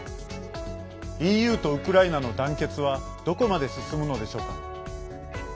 ＥＵとウクライナの団結はどこまで進むのでしょうか。